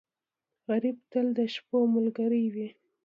غریب تل د شپو ملګری وي